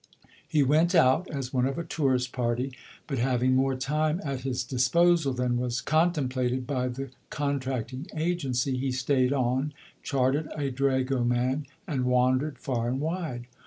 He went out as one of a tourist party, but having more time at his disposal than was contemplated by the contracting agency, he stayed on, chartered a dragoman and wandered far and wide.